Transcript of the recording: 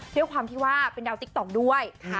ด้วยความว่าเป็นดาวติ๊กต่อห์งด้วยค่ะ